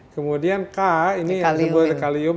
kemudian k ini yang disebut ekalium